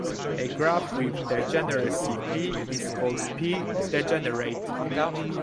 A graph with degeneracy "p" is called "p"-degenerate.